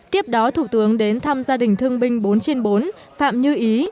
tiếp đó thủ tướng đến thăm gia đình thương binh bốn trên bốn phạm như ý